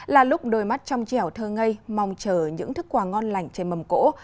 là lúc đôi mắt trong trẻo thơ ngây mong chờ những thức quà ngon lành trên mầm cổ